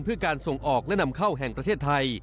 เพื่อการส่งออกและนำเข้าแห่งประเทศไทย